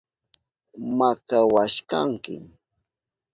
Makawashkanki.